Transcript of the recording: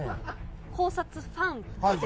考察ファン。